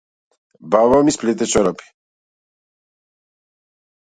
Баба ми сплете чорапи.